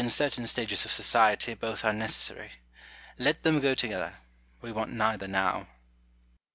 certain stages of society both are necessary. Let tliein go together ; we want neither now.